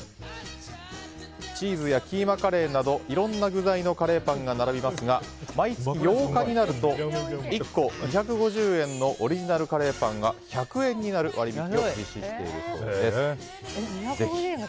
チーズやキーマカレーなどいろんな具材のカレーパンが並びますが毎月８日になると１個２５０円のオリジナルカレーパンが１００円になる割引を実施しているそうです。